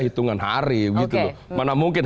hitungan hari gitu loh mana mungkin